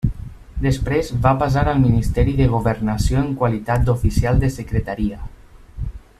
Després va passar al Ministeri de Governació en qualitat d'Oficial de Secretaria.